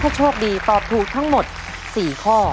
ถ้าโชคดีตอบถูกทั้งหมด๔ข้อ